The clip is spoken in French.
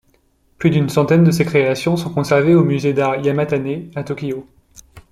Plus d'une centaine de ses créations sont conservées au musée d'art Yamatane à Tokyo.